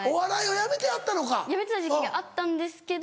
やめてた時期があったんですけど